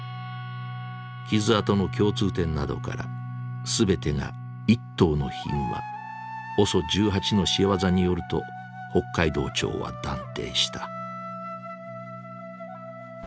傷痕の共通点などから全てが一頭のヒグマＯＳＯ１８の仕業によると北海道庁は断定した。